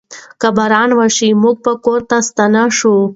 که باران وشي، موږ به کور ته ستانه شو.